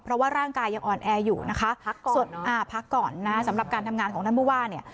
เพราะว่าร่างกายยังอ่อนแออยู่นะคะพักก่อนพักก่อนนะสำหรับการทำงานของท่านผู้ว่าเนี่ย